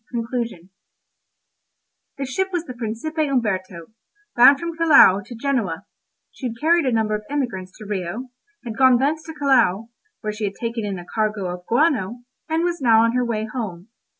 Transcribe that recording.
CONCLUSION The ship was the Principe Umberto, bound from Callao to Genoa; she had carried a number of emigrants to Rio, had gone thence to Callao, where she had taken in a cargo of guano, and was now on her way home.